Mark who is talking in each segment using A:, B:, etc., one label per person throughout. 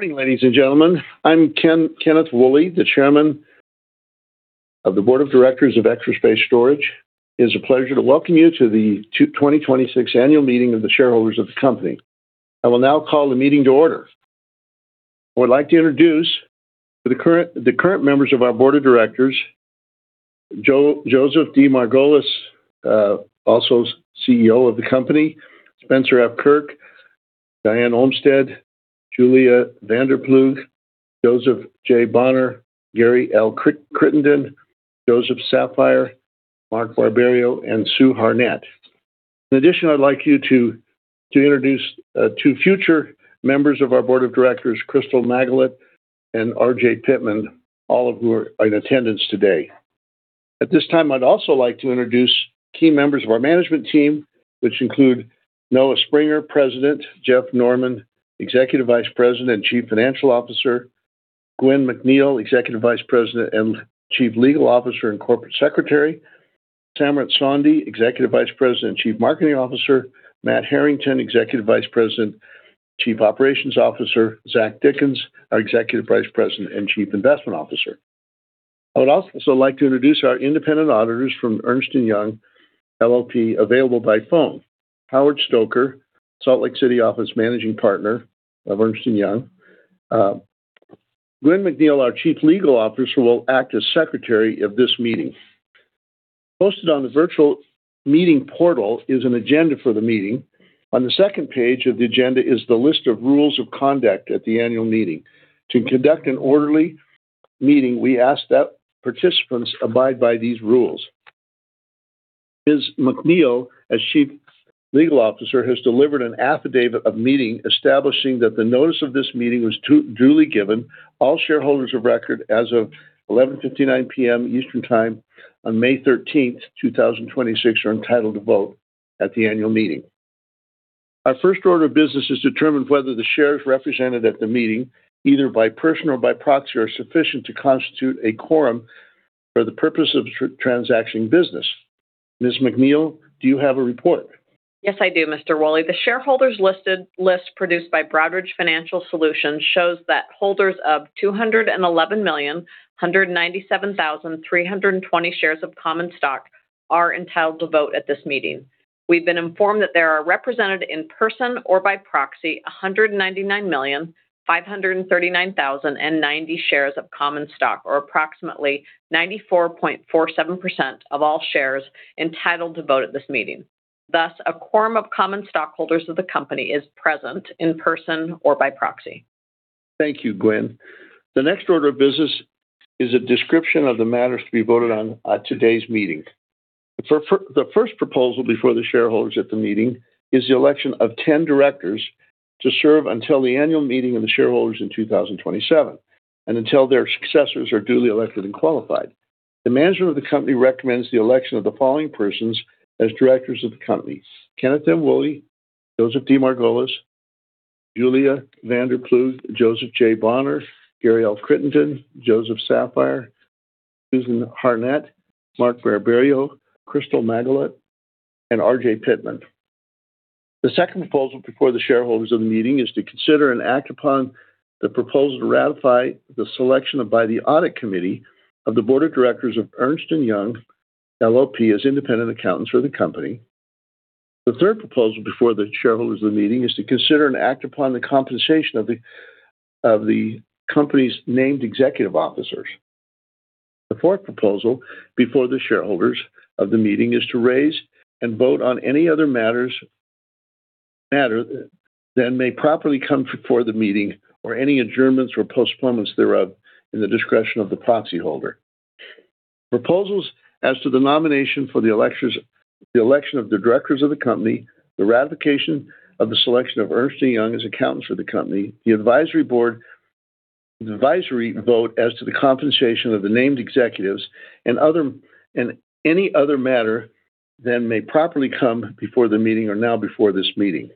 A: Morning, ladies and gentlemen. I'm Kenneth Woolley, the Chairman of the Board of Directors of Extra Space Storage. It's a pleasure to welcome you to the 2026 Annual Meeting of the Shareholders of the company. I will now call the meeting to order. I would like to introduce the current members of our Board of Directors, Joseph D. Margolis, also CEO of the company, Spencer F. Kirk, Diane Olmstead, Julia Vander Ploeg, Joseph J. Bonner, Gary L. Crittenden, Joseph Saffire, Mark Barberio, and Sue Harnett. In addition, I'd like you to introduce two future members of our Board of Directors, Crystal Maggelet and R.J. Pittman, all of who are in attendance today. At this time, I'd also like to introduce key members of our management team, which include Noah Springer, President; Jeff Norman, Executive Vice President and Chief Financial Officer; Gwyn McNeal, Executive Vice President and Chief Legal Officer and Corporate Secretary; Samrat Sondhi, Executive Vice President and Chief Marketing Officer; Matt Herrington, Executive Vice President and Chief Operations Officer; Zachary Dickens, our Executive Vice President and Chief Investment Officer. I would also like to introduce our independent auditors from Ernst & Young LLP, available by phone. Howard Stoker, Salt Lake City Office Managing Partner of Ernst & Young. Gwyn McNeal, our Chief Legal Officer, will act as secretary of this meeting. Posted on the virtual meeting portal is an agenda for the meeting. On the second page of the agenda is the list of rules of conduct at the annual meeting. To conduct an orderly meeting, we ask that participants abide by these rules. Ms. McNeal, as Chief Legal Officer, has delivered an affidavit of meeting establishing that the notice of this meeting was duly given. All shareholders of record as of 11:59 P.M. Eastern Time on May 13, 2026, are entitled to vote at the annual meeting. Our first order of business is to determine whether the shares represented at the meeting, either by person or by proxy, are sufficient to constitute a quorum for the purpose of transacting business. Ms. McNeal, do you have a report?
B: Yes, I do, Mr. Woolley. The shareholders listed list produced by Broadridge Financial Solutions shows that holders of 211,197,320 shares of common stock are entitled to vote at this meeting. We've been informed that there are represented in person or by proxy 199,539,090 shares of common stock, or approximately 94.47% of all shares entitled to vote at this meeting. Thus, a quorum of common stockholders of the company is present in person or by proxy.
A: Thank you, Gwyn. The next order of business is a description of the matters to be voted on at today's meeting. The first proposal before the shareholders at the meeting is the election of 10 directors to serve until the annual meeting of the shareholders in 2027 and until their successors are duly elected and qualified. The management of the company recommends the election of the following persons as directors of the company. Kenneth M. Woolley, Joseph D. Margolis, Julia Vander Ploeg, Joseph J. Bonner, Gary L. Crittenden, Joseph Saffire, Susan Harnett, Mark Barberio, Crystal Maggelet, and R.J. Pittman. The second proposal before the shareholders of the meeting is to consider an act upon the proposal to ratify the selection by the Audit Committee of the Board of Directors of Ernst & Young LLP as independent accountants for the company. The third proposal before the shareholders of the meeting is to consider an act upon the compensation of the company's named executive officers. The fourth proposal before the shareholders of the meeting is to raise and vote on any other matter that may properly come before the meeting or any adjournments or postponements thereof in the discretion of the proxy holder. Proposals as to the nomination for the election of the directors of the company, the ratification of the selection of Ernst & Young as accountants for the company, the advisory vote as to the compensation of the named executives and other, and any other matter that may properly come before the meeting are now before this meeting.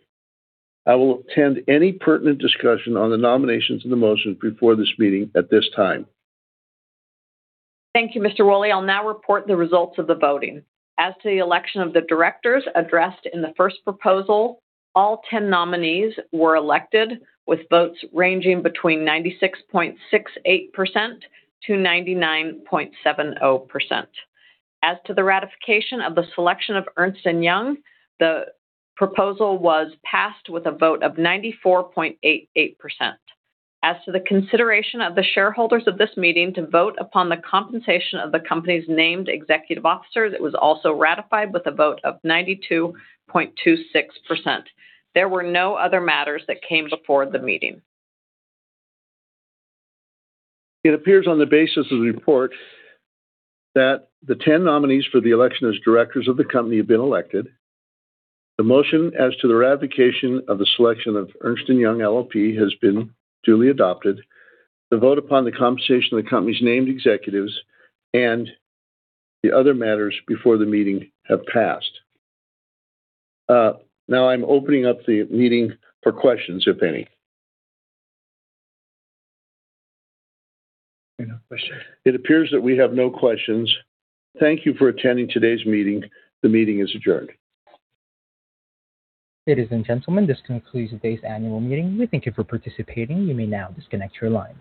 A: I will attend any pertinent discussion on the nominations and the motions before this meeting at this time.
B: Thank you, Mr. Woolley. I'll now report the results of the voting. As to the election of the directors addressed in the first proposal, all 10 nominees were elected with votes ranging between 96.68%-99.70%. As to the ratification of the selection of Ernst & Young, the proposal was passed with a vote of 94.88%. As to the consideration of the shareholders of this meeting to vote upon the compensation of the company's named executive officers, it was also ratified with a vote of 92.26%. There were no other matters that came before the meeting.
A: It appears on the basis of the report that the 10 nominees for the election as directors of the company have been elected. The motion as to the ratification of the selection of Ernst & Young LLP has been duly adopted. The vote upon the compensation of the company's named executives and the other matters before the meeting have passed. Now I'm opening up the meeting for questions, if any.
C: No questions.
A: It appears that we have no questions. Thank you for attending today's meeting. The meeting is adjourned.
C: Ladies and gentlemen, this concludes today's annual meeting. We thank you for participating. You may now disconnect your line.